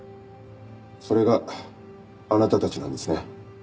それがあなたたちなんですね。